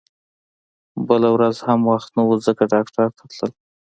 بله ورځ هم وخت نه و ځکه ډاکټر ته تلل